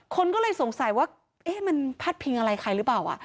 คนทรงสัยว่ามันพาดเพลงอะไรใครหรือเปล่า